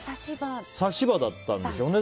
差し歯だったんでしょうね